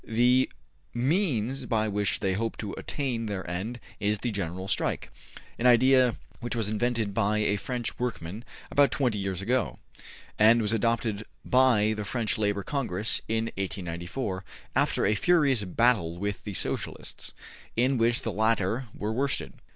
The means by which they hope to attain their end is the General Strike, an idea which was invented by a French workman about twenty years ago, and was adopted by the French Labor Congress in 1894, after a furious battle with the Socialists, in which the latter were worsted.